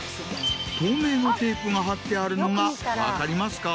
透明のテープが貼ってあるのが分かりますか？